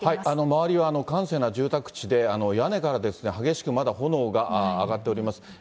周りは閑静な住宅地で、屋根からですね、激しくまだ炎が上がっております。